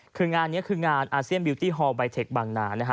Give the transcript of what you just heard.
คืองานนี้คืองานอาเซียนบิวตี้ฮอลใบเทคบางนานะฮะ